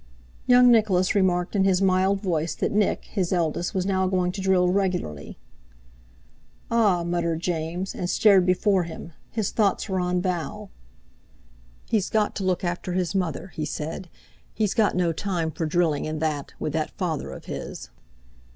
Young Nicholas remarked in his mild voice that Nick (his eldest) was now going to drill regularly. "Ah!" muttered James, and stared before him—his thoughts were on Val. "He's got to look after his mother," he said, "he's got no time for drilling and that, with that father of his."